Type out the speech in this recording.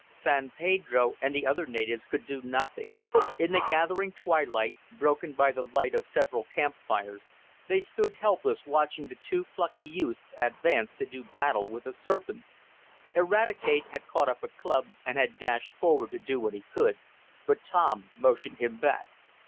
San Pedro, and the other natives, could do nothing. In the gathering twilight, broken by the light of several campfires, they stood helpless watching the two plucky youths advance to do battle with the serpent. Eradicate had caught up a club, and had dashed forward to do what he could, but Tom motioned him back.